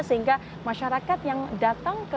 sehingga masyarakat yang datang